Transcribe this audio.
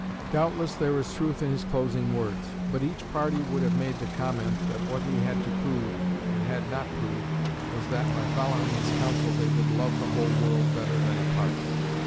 Doubtless there is truth in his closing words; but each party would have made the comment that what he had to prove, and had not proved, was that by following his counsel they would "love the whole world better than a part."